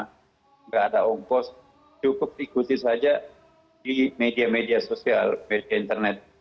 tidak ada ongkos cukup diikuti saja di media media sosial media internet